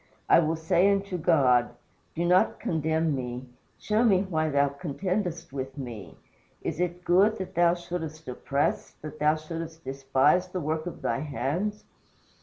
I will say unto God, Do not condemn me; show me why thou contendest with me. Is it good that thou shouldest oppress, that thou shouldest despise the work of thy hands?"